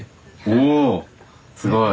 おおすごい。